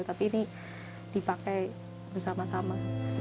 tapi ini dipakai bersama sama